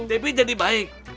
debi jadi baik